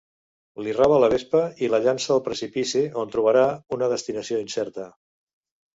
Li roba la Vespa i la llança al precipici, on trobarà una destinació incerta.